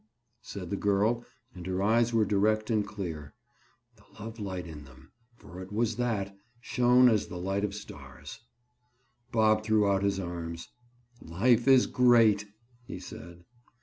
said the girl and her eyes were direct and clear. The love light in them—for it was that—shone as the light of stars. Bob threw out his arms. "Life is great," he said.